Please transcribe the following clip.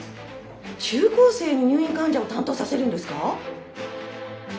中高生に入院患者を担当させるんですか